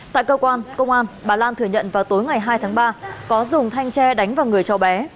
tại cơ quan công an bà lan thừa nhận vào tối ngày hai tháng ba có dùng thanh tre đánh vào người cháu bé